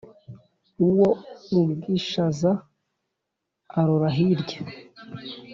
Uwo mu Bwishaza arora hirya